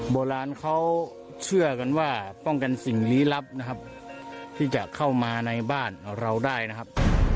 โบราณเขาเชื่อกันว่าป้องกันสิ่งลี้ลับนะครับที่จะเข้ามาในบ้านเราได้นะครับ